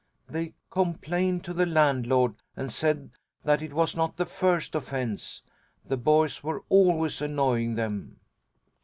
They complained to the landlord, and said that it was not the first offence. The boys were always annoying them.